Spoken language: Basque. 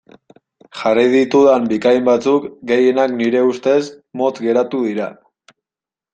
Jarri ditudan bikain batzuk, gehienak nire ustez, motz geratu dira.